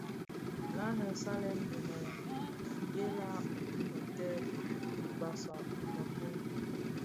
Nsalèn salèn dhi mëghèla më bitè, basag dhi měkoň,